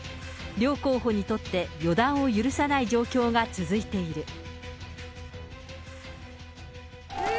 両候補にとって、予断を許さない状況が続いている。